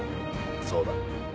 そうだ。